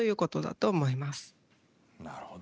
なるほど。